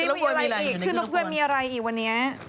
เลยดูใส้แมางด้วยเลยมันก็อยากมีอีกวันนี้